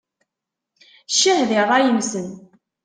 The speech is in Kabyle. Ccah di ṛṛay-nsen!